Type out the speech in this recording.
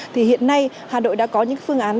thì hiện nay hà nội đã có những phương án